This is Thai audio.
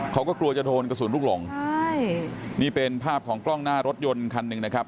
เขาก็กลัวจะโดนกระสุนลูกหลงใช่นี่เป็นภาพของกล้องหน้ารถยนต์คันหนึ่งนะครับ